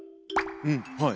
うんはい